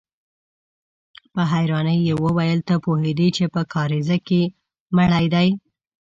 په حيرانۍ يې وويل: ته پوهېدې چې په کاريزه کې مړی دی؟